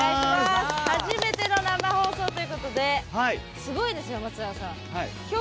初めての生放送ということですごいですよ。